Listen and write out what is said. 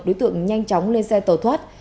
đối tượng nhanh chóng lên xe tàu thoát